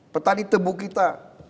petani tebu kita